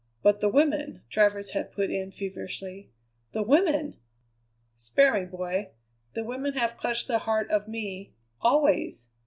"But the women," Travers had put in feverishly, "the women!" "Spare me, boy! The women have clutched the heart of me always.